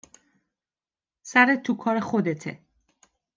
سرت تو کار خودته